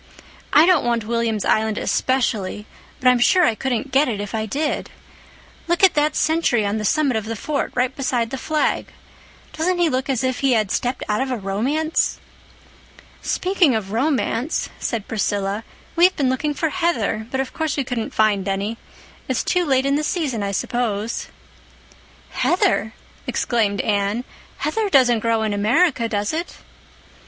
"I don't want William's Island especially, but I'm sure I couldn't get it if I did. Look at that sentry on the summit of the fort, right beside the flag. Doesn't he look as if he had stepped out of a romance?" "Speaking of romance," said Priscilla, "we've been looking for heather—but, of course, we couldn't find any. It's too late in the season, I suppose." "Heather!" exclaimed Anne. "Heather doesn't grow in America, does it?"